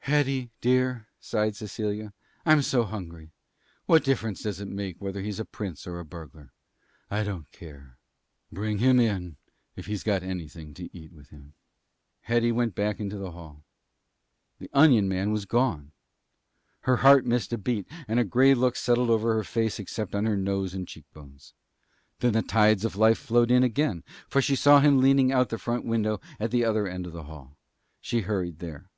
"Hetty, dear," sighed Cecilia, "I'm so hungry. What difference does it make whether he's a prince or a burglar? I don't care. Bring him in if he's got anything to eat with him." Hetty went back into the hall. The onion man was gone. Her heart missed a beat, and a gray look settled over her face except on her nose and cheek bones. And then the tides of life flowed in again, for she saw him leaning out of the front window at the other end of the hall. She hurried there.